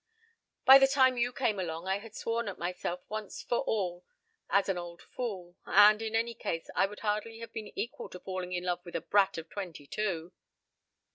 "By the time you came along I had sworn at myself once for all as an old fool, and, in any case, I would hardly have been equal to falling in love with a brat of twenty two."